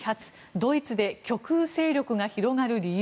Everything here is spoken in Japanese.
ドイツで極右勢力が広がる理由。